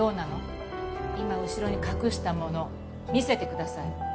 今後ろに隠したもの見せてください。